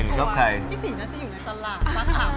พี่สีน่าจะอยู่ตอนหลังนะคะ